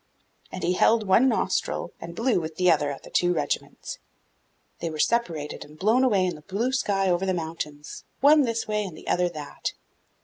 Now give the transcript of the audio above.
And he held one nostril and blew with the other at the two regiments; they were separated and blown away in the blue sky over the mountains, one this way, and the other that.